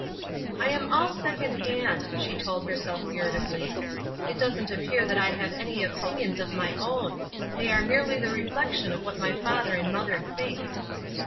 "I am all second hand," she told herself irritably. ^^It doesn't appear that I have any opinions of my own ; they are merely the reflec tion of what my father and mother think."